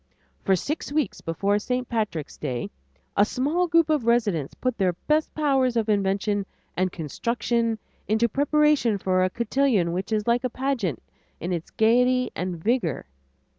For six weeks before St. Patrick's day, a small group of residents put their best powers of invention and construction into preparation for a cotillion which is like a pageant in its gayety and vigor.